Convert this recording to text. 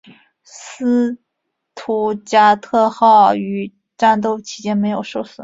斯图加特号于战斗期间没有受损。